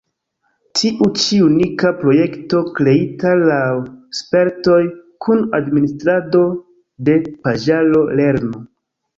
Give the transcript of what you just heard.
Tiu ĉi unika projekto kreita laŭ spertoj kun administrado de paĝaro lernu!